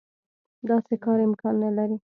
داسې کار امکان نه لري.